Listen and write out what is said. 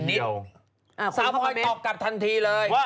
โอลี่คัมรี่ยากที่ใครจะตามทันโอลี่คัมรี่ยากที่ใครจะตามทัน